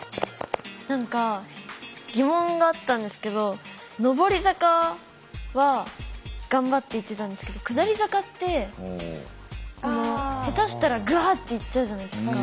何か疑問があったんですけど上り坂は頑張っていってたんですけど下り坂って下手したらぐわって行っちゃうじゃないですか。